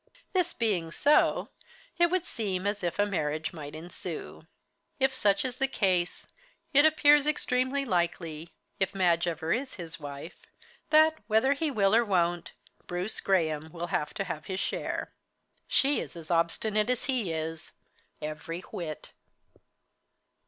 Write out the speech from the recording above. This being so, it would seem as if a marriage might ensue. If such is the case, it appears extremely likely, if Madge ever is his wife, that, whether he will or won't, Bruce Graham will have to have his share. She is as obstinate as he is every whit.